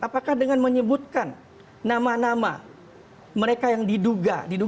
apakah dengan menyebutkan nama nama mereka yang diduga